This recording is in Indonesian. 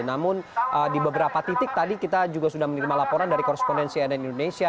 namun di beberapa titik tadi kita juga sudah menerima laporan dari korespondensi ann indonesia